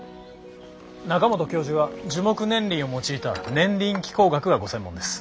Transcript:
中本教授は樹木年輪を用いた年輪気候学がご専門です。